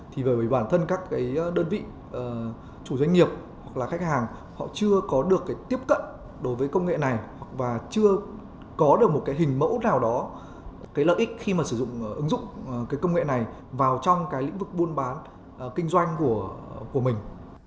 thì bởi bản thân các đơn vị chủ doanh nghiệp hoặc là khách hàng họ chưa có được tiếp cận đối với công nghệ này và chưa có được một hình mẫu nào đó lợi ích khi sử dụng công nghệ này vào trong lĩnh vực buôn bán kinh doanh của mình